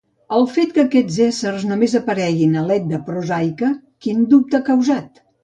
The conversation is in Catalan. El fet que aquests éssers només apareguin a l'Edda prosaica, quin dubte ha causat?